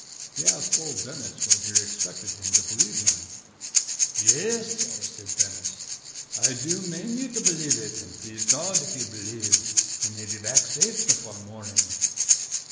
He asked old Dennis whether he expected him to believe it. "'Yes, sorr,' said Dennis, 'I do mane ye to b'lieve it; an' please God, if ye'll b'lieve, ye may be back safe befor' mornin'.'